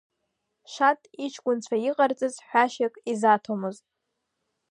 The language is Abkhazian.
Шаҭ иҷкәынцәа иҟарҵаз ҳәашьак изаҭомызт…